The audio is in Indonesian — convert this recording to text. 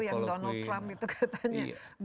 yang donald trump itu katanya